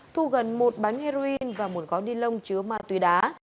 thu gần một bánh heroin và một gói ni lông chứa ma túy đá